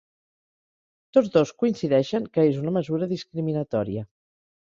Tots dos coincideixen que és una mesura discriminatòria.